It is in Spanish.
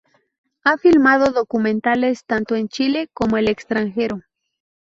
Ha filmado documentales tanto en Chile como el extranjero.